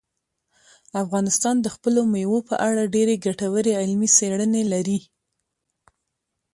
افغانستان د خپلو مېوو په اړه ډېرې ګټورې علمي څېړنې لري.